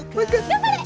頑張れ！